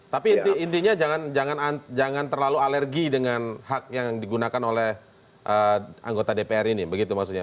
tapi intinya jangan terlalu alergi dengan hak yang digunakan oleh anggota dpr ini begitu maksudnya